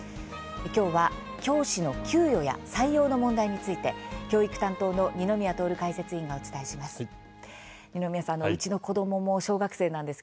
きょうは、教師の給与や採用の問題について、教育担当の二宮徹解説委員とお伝えします。